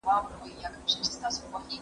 نن هوا ډيره سړه ده